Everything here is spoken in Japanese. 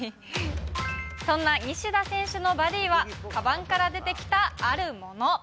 そんな西田選手のバディはかばんから出てきたあるもの。